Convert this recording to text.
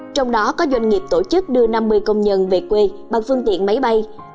trong đó có doanh nghiệp tổ chức đưa năm mươi công nhân về quê bằng phương tiện máy bay